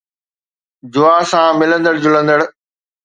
جوا سان ملندڙ جلندڙ